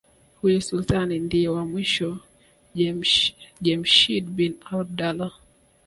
Huyu Sultani ndiye was mwisho Jemshid bin abdalla